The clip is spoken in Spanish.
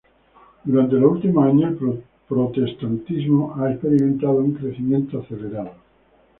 Durante los últimos años, el protestantismo ha experimentado un crecimiento acelerado.